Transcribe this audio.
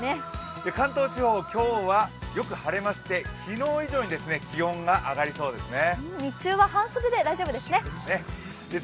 関東地方、今日はよく晴れまして、昨日以上に気温が上がりそうですね。